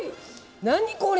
何これ。